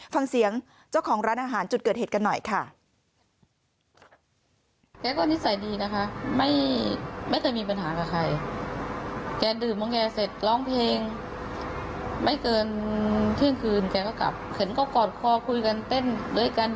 ฟังเสียงเจ้าของร้านอาหารจุดเกิดเหตุกันหน่อยค่ะ